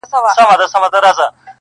د اخترونو د جشنونو شالمار خبري.!